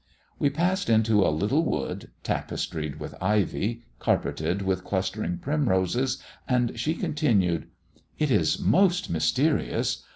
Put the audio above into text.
We passed into a little wood, tapestried with ivy, carpeted with clustering primroses, and she continued "It is most mysterious.